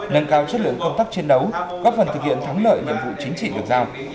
nâng cao chất lượng công tác chiến đấu góp phần thực hiện thắng lợi nhiệm vụ chính trị được giao